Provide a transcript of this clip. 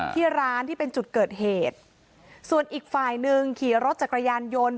ที่ร้านที่เป็นจุดเกิดเหตุส่วนอีกฝ่ายหนึ่งขี่รถจักรยานยนต์